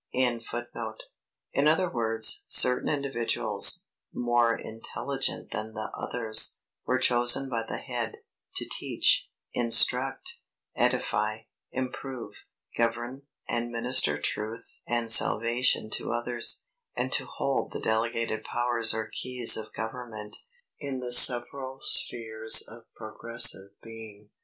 ] In other words, certain individuals, more intelligent than the others, were chosen by the Head, to teach, instruct, edify, improve, govern, and minister truth and salvation to others; and to hold the delegated powers or keys of government, in the several spheres of progressive being.